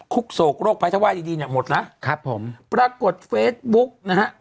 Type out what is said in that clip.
คุกโศกโรคพระเจ้าไหว้ดีดีเนี่ยหมดแล้วครับผมปรากฏเฟสบุ๊คนะฮะ